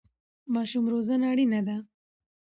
ماشوم روزنه اړینه ده.